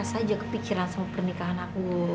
terus aja kepikiran sama pernikahan aku sama sakti itu